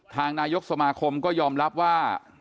นายกสมาคมก็ยอมรับว่า